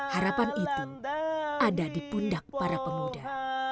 harapan itu ada di pundak para pemuda